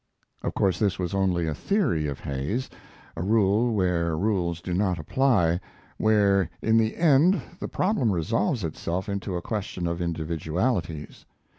Of course this was only a theory of Hay's, a rule where rules do not apply, where in the end the problem resolves itself into a question of individualities.